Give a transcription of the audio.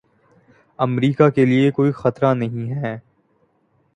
امریکا کے لیے کوئی خطرہ نہیں ہیں